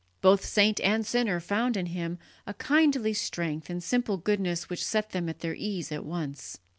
Both saint and sinner found in him a kindly strength and simple goodness which set them at their ease at once.